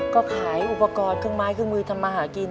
ก็ขายอุปกรณ์เครื่องไม้เครื่องมือทำมาหากิน